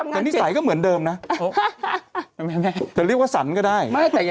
นี่สายก็เหมือนเดิมนะเธอเรียกว่าสันก็ได้